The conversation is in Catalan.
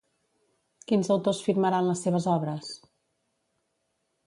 Quins autors firmaran les seves obres?